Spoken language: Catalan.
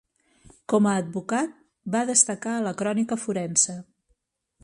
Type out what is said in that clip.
Com a advocat, va destacar a la crònica forense.